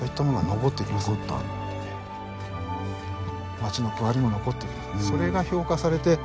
町の区割りも残っていきます。